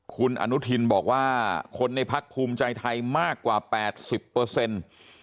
คุณอนุทินบอกว่าคนในพักภูมิใจไทยมากกว่าแปดสิบเปอร์เซ็นต์